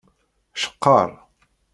Ceqqer.